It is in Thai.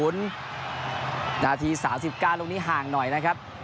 นาที๓๙ลูกนี้ห่างหน่อยนะครับ